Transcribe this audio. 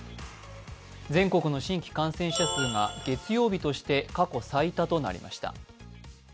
全国の新規感染者数が月曜日として過去最多となりました。